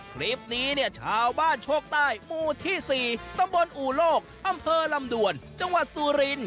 คลิปนี้เนี่ยชาวบ้านโชคใต้หมู่ที่๔ตำบลอู่โลกอำเภอลำดวนจังหวัดสุริน